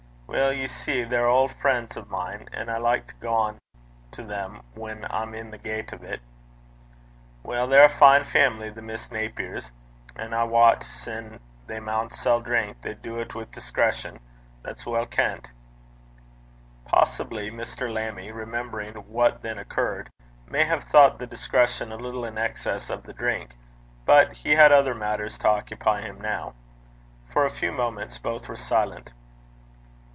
'Weel, ye see, they're auld frien's o' mine, and I like to gang to them whan I'm i' the gait o' 't.' 'Weel, they're a fine faimily, the Miss Napers. And, I wat, sin' they maun sell drink, they du 't wi' discretion. That's weel kent.' Possibly Mr. Lammie, remembering what then occurred, may have thought the discretion a little in excess of the drink, but he had other matters to occupy him now. For a few moments both were silent.